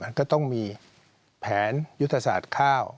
มันก็ต้องมีแผนยุทธศาสตร์ข้าว